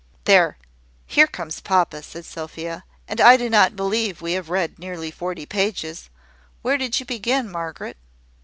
"There! here comes papa!" said Sophia; "and I do not believe we have read nearly forty pages. Where did you begin, Margaret?"